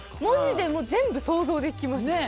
文字でも全部想像できます。